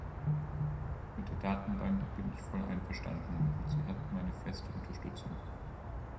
Mit der Datenbank bin ich voll einverstanden, und sie hat meine feste Unterstützung.